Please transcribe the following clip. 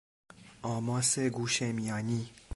آماس گوش میانی